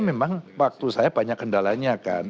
memang waktu saya banyak kendalanya kan